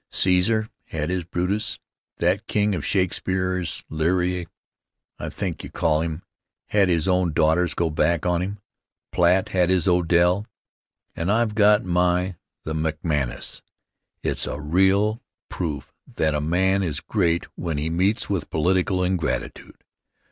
Caesar had his Brutus; that king of Shakespeare's Leary, I think you call him had his own daughters go back on him; Platt had his Odell, and I've got my "The" McManus. It's a real proof that a man is great when he meets with political ingratitude.